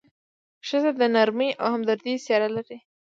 ښځه د نرمۍ او همدردۍ څېره لري.